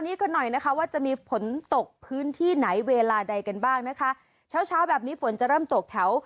กันหน่อยนะคะว่าจะมีฝนตกพื้นที่ไหนเวลาใดกันบ้างนะคะเช้าเช้าแบบนี้ฝนจะเริ่มตกแถว